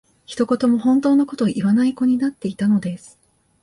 一言も本当の事を言わない子になっていたのです